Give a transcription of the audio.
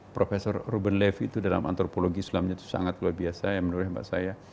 profesor ruben levi itu dalam antropologi islamnya itu sangat luar biasa ya menurut saya